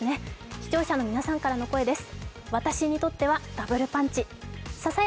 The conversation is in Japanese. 視聴者の皆さんからの声です。